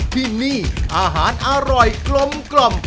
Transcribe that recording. ที่นี่อาหารอร่อยกลม